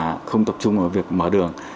họ không tập trung vào việc mở đường